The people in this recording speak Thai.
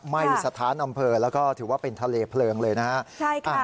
ไหม้สถานอำเภอแล้วก็ถือว่าเป็นทะเลเพลิงเลยนะครับ